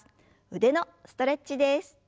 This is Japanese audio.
腕のストレッチです。